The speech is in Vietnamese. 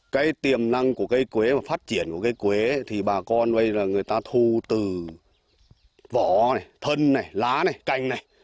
cây tiềm năng của cây quế và phát triển của cây quế thì bà con người ta thu từ vỏ thân lá cành